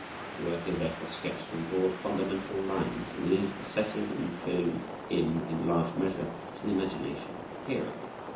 The work is therefore sketched on broad, fundamental lines, and leaves the setting and filling in in large measure to the imagination of the hearer.